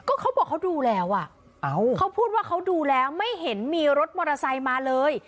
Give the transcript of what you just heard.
ก็เขาบอกเขาดูแล้วอ่ะเขาพูดว่าเขาดูแล้วไม่เห็นมีรถมอเตอร์ไซค์มาเลย